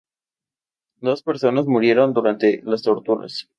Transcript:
Dos personas murieron durante las torturas.